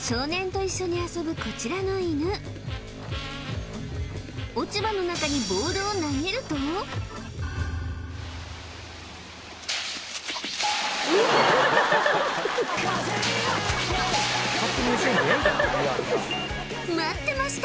少年と一緒に遊ぶこちらの犬落ち葉の中にボールを投げると待ってました！